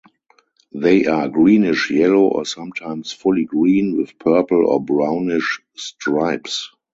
They are greenish-yellow or sometimes fully green with purple or brownish stripes.